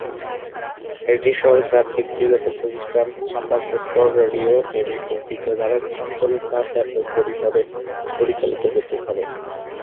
এটি সরকার, ব্যক্তিগত প্রতিষ্ঠান, সংবাদপত্র, রেডিও, টিভি প্রভৃতি দ্বারা অভ্যন্তরীণ বা ব্যপক পরিসরে পরিচালিত হতে পারে।